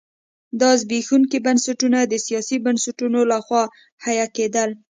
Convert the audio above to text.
دا زبېښونکي بنسټونه د سیاسي بنسټونو لخوا حیه کېدل.